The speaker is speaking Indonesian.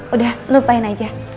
udah lupain aja